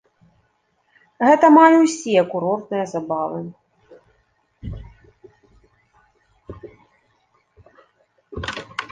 Гэта амаль усе курортныя забавы.